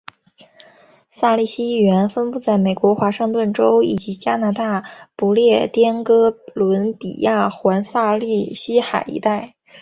萨利希语言分布在美国华盛顿州以及加拿大不列颠哥伦比亚环萨利希海一带。